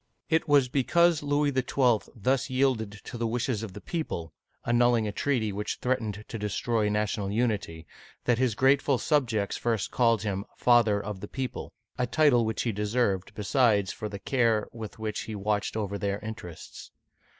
It was because Louis XII. thus yielded to the wishes of the people — annulling a treaty which threatened to destroy national unity — that his grateful subjects first called him " Father of the People/' a title which he deserved, besides, for the care with which he watched over their interests.